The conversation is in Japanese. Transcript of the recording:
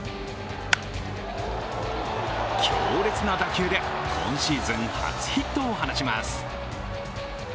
強烈な打球で今シーズン初ヒットを放ちます。